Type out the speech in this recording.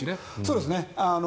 そうですね